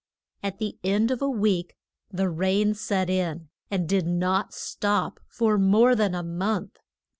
At the end of a week the rain set in, and did not stop for more than a month.